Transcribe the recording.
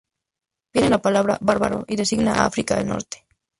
Viene de la palabra bárbaro y designa a África del Norte.